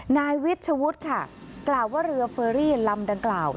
นายวิชวุฒิค่ะกล่าวว่าเรือเฟอรี่ลำดังกล่าว